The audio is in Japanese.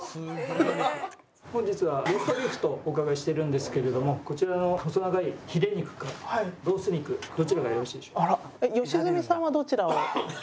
本日はローストビーフとお伺いしてるんですけれどもこちらの細長いヒレ肉かロース肉どちらがよろしいでしょう？